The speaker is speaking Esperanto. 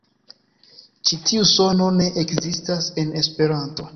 Ĉi tiu sono ne ekzistas en Esperanto.